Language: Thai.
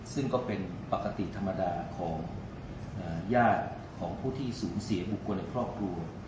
ซึ่งก็เป็นปกติธรรมดาของญาติของผู้ที่สูญเสียบุคคลในครอบครัว